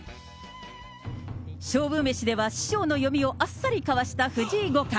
勝負メシでは師匠の読みをあっさりかわした藤井五冠。